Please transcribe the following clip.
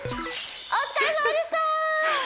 お疲れさまでした！